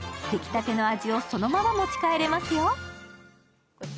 できたての味をそのまま持ち帰れますよ。